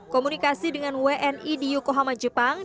komunikasi dengan wni di yokohama jepang